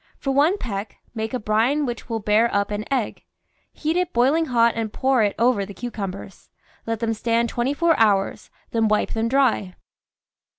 For one peck, make a brine which will bear up an egg ; heat it boiling hot and pour it over the cucumbers; let them stand twenty four hours, then wipe them dry.